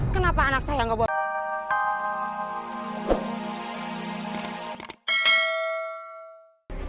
kenapa anak saya nggak boleh